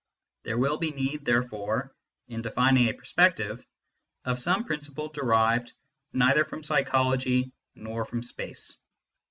There will be need, therefore, in defining a perspective, of some principle derived neither from psychology nor from space.